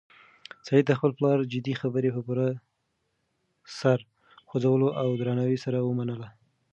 سعید د خپل پلار جدي خبره په پوره سر خوځولو او درناوي سره ومنله.